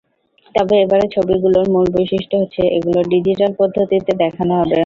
তবে এবারের ছবিগুলোর মূল বৈশিষ্ট্য হচ্ছে, এগুলো ডিজিটাল পদ্ধতিতে দেখানো হবে।